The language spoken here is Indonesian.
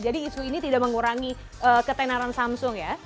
jadi isu ini tidak mengurangi ketenaran samsung ya